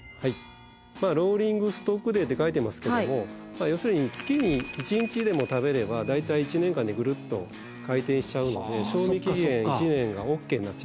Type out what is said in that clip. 「ローリングストックデー」って書いてますけども要するに月に１日でも食べれば大体１年間でグルッと回転しちゃうので賞味期限１年がＯＫになっちゃうんですね。